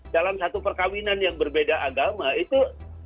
dalam satu perkawinan yang berbeda agama itu